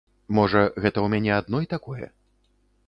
Можа, гэта ў мяне адной такое.